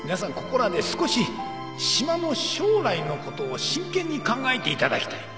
ここらで少し島の将来のことを真剣に考えていただきたい。